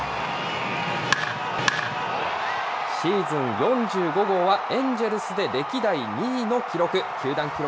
シーズン４５号は、エンジェルスで歴代２位の記録。